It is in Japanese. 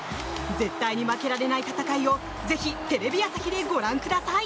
絶対に負けられない戦いをぜひテレビ朝日でご覧ください！